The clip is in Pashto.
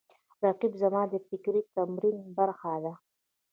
رقیب زما د فکري تمرین برخه ده